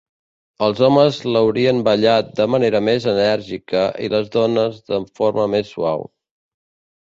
Els homes l'haurien ballat de manera més enèrgica i les dones de forma més suau.